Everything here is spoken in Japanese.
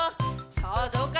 さあどうかな。